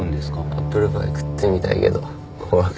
アップルパイ食ってみたいけど怖くてな。